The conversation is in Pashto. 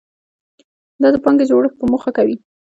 دا د پانګې جوړښت په موخه کوي.